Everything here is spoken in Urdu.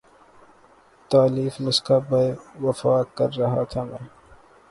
تالیف نسخہ ہائے وفا کر رہا تھا میں